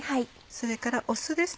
それから酢です。